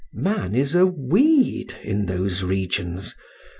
Man is a weed in those regions.